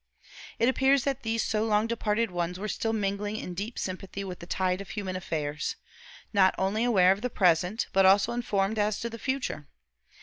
It appears that these so long departed ones were still mingling in deep sympathy with the tide of human affairs not only aware of the present, but also informed as to the future.